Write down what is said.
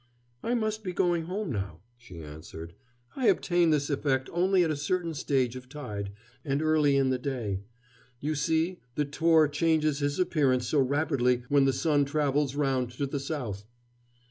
"I must be going home now," she answered. "I obtain this effect only at a certain stage of tide, and early in the day. You see, the Tor changes his appearance so rapidly when the sun travels round to the south."